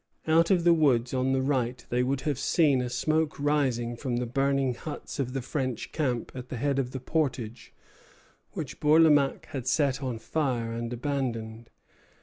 Out of the woods on the right they would have seen a smoke rising from the burning huts of the French camp at the head of the portage, which Bourlamaque had set on fire and abandoned.